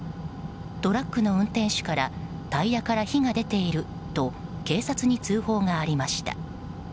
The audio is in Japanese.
トラックの運転手からタイヤから火が出ていると警察に通報がありました。